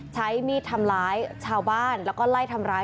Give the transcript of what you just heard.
ใช้มีดทำร้ายชาวบ้านแล้วก็ไล่ทำร้าย